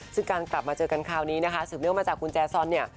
ซึ่งการกลับมาเจอกันคราวนี้นะคะสืบเนื่องมาจากคุณแจซอนเนี่ย